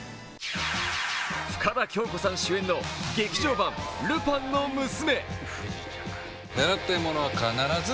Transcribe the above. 深田恭子さん主演の「劇場版ルパンの娘」。